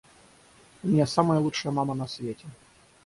У меня самая лучшая мама на свете.